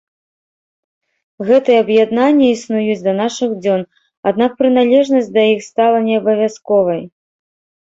Гэтыя аб'яднанні існуюць да нашых дзён, аднак прыналежнасць да іх стала не абавязковай.